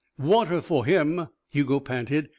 "Water for him," Hugo panted.